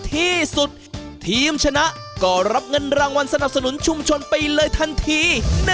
ที่สุดทีมชนะก็รับเงินรางวัลสนับสนุนชุมชนไปเลยทันที